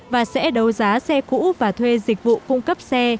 và sẽ đấu giá xe cũ và thuê dịch vụ cung cấp xe